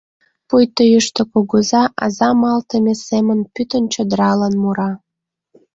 Пуйто Йӱштӧ Кугыза аза малтыме семын пӱтынь чодыралан мура.